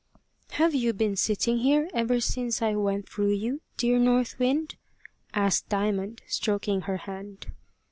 "Have you been sitting here ever since I went through you, dear North Wind?" asked Diamond, stroking her hand.